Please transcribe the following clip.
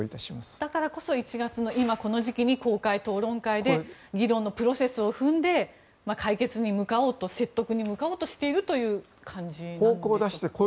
だからこそ１月の今のこの時期に公開討論会で議論のプロセスを踏んで解決に向かおうと説得に向かおうとしているという感じでしょうか。